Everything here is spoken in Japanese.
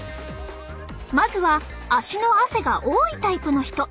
まずは足の汗が多いタイプの人。